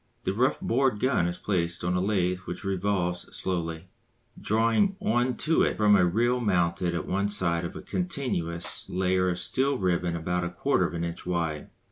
The rough bored gun is placed upon a lathe which revolves slowly, drawing on to it from a reel mounted at one side a continuous layer of steel ribbon about a quarter of an inch wide.